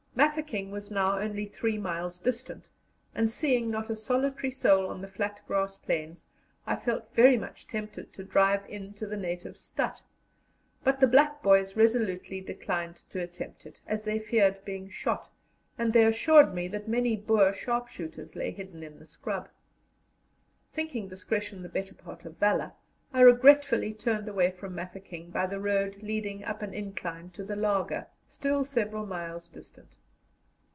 Mafeking was now only three miles distant, and, seeing not a solitary soul on the flat grass plains, I felt very much tempted to drive in to the native stadt; but the black boys resolutely declined to attempt it, as they feared being shot, and they assured me that many Boer sharpshooters lay hidden in the scrub. Thinking discretion the better part of valour, I regretfully turned away from Mafeking by the road leading up an incline to the laager, still several miles distant.